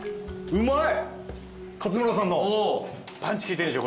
うまい。